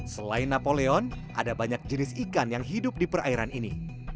selain napoleon ada banyak jenis ikan yang hidup di perairan ini